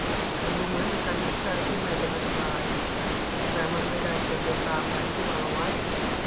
มันดูเหมือนเป็นการตัดสินใจที่ไม่เป็นอันตรายแต่มันไม่ได้เป็นไปตามแผนที่วางเอาไว้